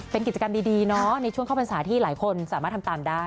เป็นกิจกรรมดีเนาะในช่วงเข้าพรรษาที่หลายคนสามารถทำตามได้